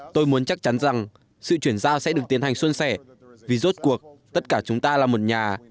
tôi muốn chắc chắn rằng sự chuyển giao sẽ được tiến hành xuân sẻ vì rốt cuộc tất cả chúng ta là một nhà